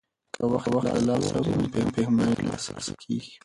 که وخت له لاسه ووځي نو په پښېمانۍ نه ترلاسه کېږي.